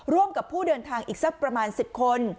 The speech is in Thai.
ร่วมกับผู้เดินทางอีกสักประมาณ๑๐คน